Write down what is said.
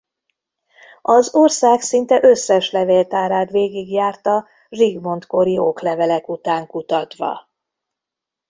Az ország szinte összes levéltárát végigjárta Zsigmond-kori oklevelek után kutatva.